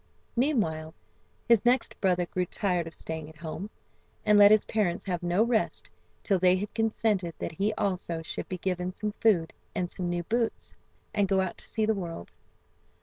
Meanwhile his next brother grew tired of staying at home, and let his parents have no rest till they had consented that he also should be given some food and some new boots, and go out to see the world.